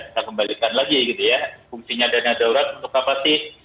kita kembalikan lagi gitu ya fungsinya dana darurat untuk apa sih